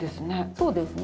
そうですね。